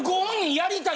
やりたい？